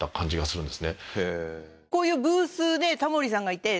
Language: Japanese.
こういうブースでタモリさんがいて。